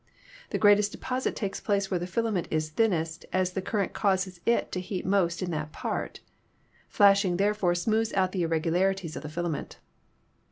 The greatest deposit takes place where the filament is thin nest, as the current causes it to heat most in that part. Flashing, therefore, smoothes out the irregularities of the filament.